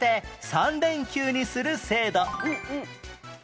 三連休にする制度？